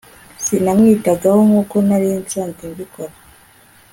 sinamwitagaho nkuko nari nsanzwe mbikora